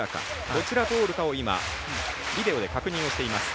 どちらボールかを今ビデオで確認をしています。